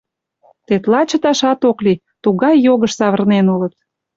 Тетла чыташат ок лий — тугай йогыш савырнен улыт!